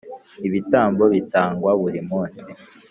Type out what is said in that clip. Ibitambo bitangwa burimunsi.